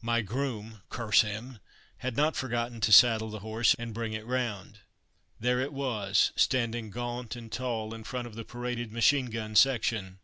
My groom (curse him) had not forgotten to saddle the horse and bring it round. There it was, standing gaunt and tall in front of the paraded machine gun section.